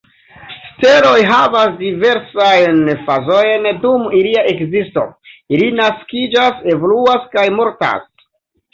Steloj havas diversajn fazojn dum ilia ekzisto: ili naskiĝas, evoluas, kaj mortas.